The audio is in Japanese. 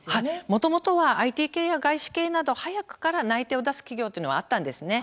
もともとはＩＴ系や外資系など早くから内定を出す企業というのはあったんですね。